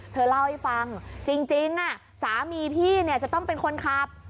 เธอเล่าให้ฟังจริงสามีพี่เนี่ยจะต้องเป็นคนขับ